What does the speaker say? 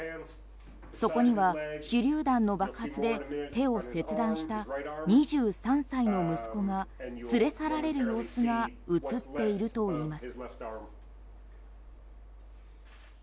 そこには手榴弾の爆発で手を切断した２３歳の息子が連れ去られる様子が映っているといいます。